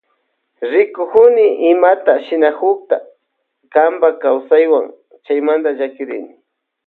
Rikukuni imata shinakunk kanpa kawsaywan chaymanta llakiyani.